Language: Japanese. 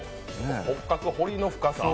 骨格堀の深さ。